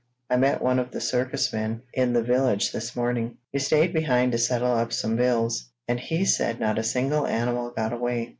"I met one of the circus men in the village this morning. He stayed behind to settle up some bills, and he said not a single animal got away.